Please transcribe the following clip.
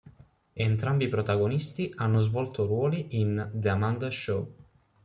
Entrambi i protagonisti hanno svolto ruoli in "The Amanda Show".